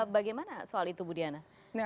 bagaimana soal itu bu diana